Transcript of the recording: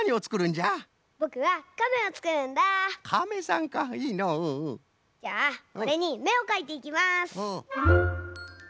じゃあこれにめをかいていきます。